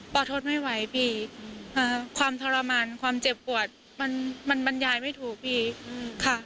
ทนไม่ไหวพี่ความทรมานความเจ็บปวดมันบรรยายไม่ถูกพี่ค่ะ